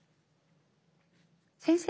先生？